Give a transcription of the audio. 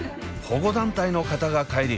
保護団体の方が帰り